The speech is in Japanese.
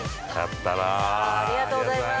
◆ありがとうございます。